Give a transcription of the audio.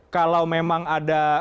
kalau memang ada